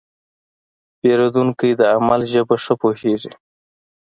پیرودونکی د عمل ژبه ښه پوهېږي.